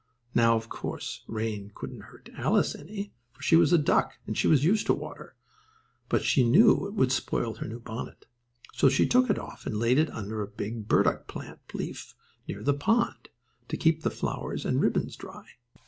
Now, of course, rain couldn't hurt Alice any, for she was a duck and was used to the water, but she knew it would spoil her new bonnet. So she took it off and laid it under a big burdock plant leaf near the pond, to keep the flowers and ribbons dry.